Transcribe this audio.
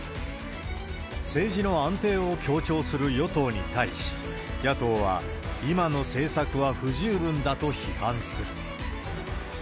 政治の安定を強調する与党に対し、野党は、今の政策は不十分だと批判する。